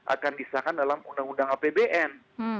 akan disahkan dalam undang undang apbn